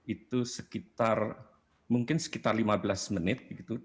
itu sekitar mungkin sekitar lima belas menit